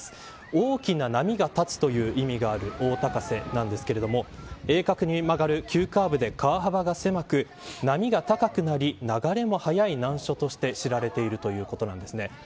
大きな波が立つという意味がある大高瀬なんですけど鋭角に曲がる急カーブで川幅が狭く波が高くなり、流れも速い難所として知られているということです。